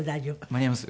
間に合います？